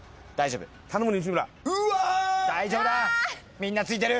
みんなついてる。